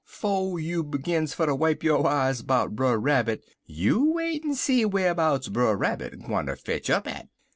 'Fo' you begins fer ter wipe yo' eyes 'bout Brer Rabbit, you wait en see whar'bouts Brer Rabbit gwineter fetch up at.